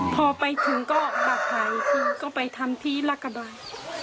พอไปถึงก็บัตรหายถึงก็ไปทำที่รากบัง